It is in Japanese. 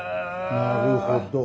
なるほど。